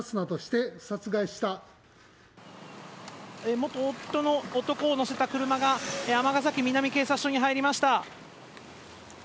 元夫の男を乗せた車が尼崎南警察署に入りました。